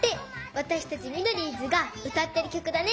わたしたちミドリーズがうたってるきょくだね。